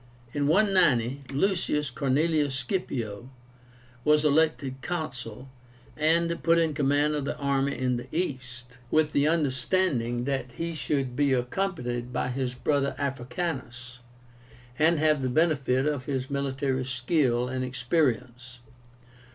In 190, LUCIUS CORNELIUS SCIPIO was elected Consul, and put in command of the army in the East, with the understanding that he should be accompanied by his brother Africanus, and have the benefit of his military skill and experience.